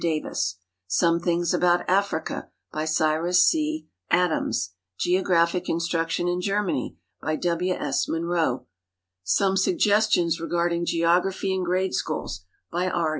Davis; "Some Things .About .\frica," by Cyrus C. Adar.is; "(Jeonraphic Instruction in Germany," by W. S. .Monroe; "Some Suggestions Regard ing Geograi)hy in Grade Schools," by R.